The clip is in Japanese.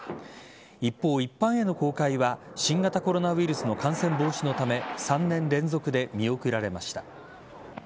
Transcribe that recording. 一方、一般への公開は新型コロナウイルスの感染防止のため３年連続で見送られました。